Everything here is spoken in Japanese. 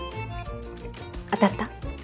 当たった？